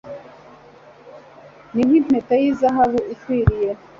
ni nk'impeta y'izahabu ikwikiye